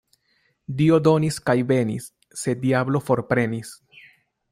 Dio donis kaj benis, sed diablo forprenis.